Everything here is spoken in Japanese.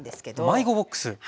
迷子ボックス。